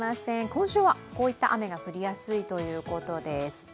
今週はこういった雨が降りやすいということです。